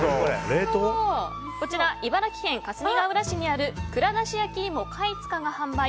こちら茨城県かすみがうら市にある蔵出し焼き芋かいつかが販売。